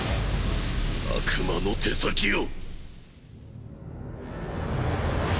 悪魔の手先よ。